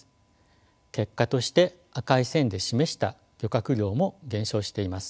結果として赤い線で示した漁獲量も減少しています。